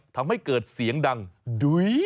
ทำให้เกิดเสียงดังดุ้ย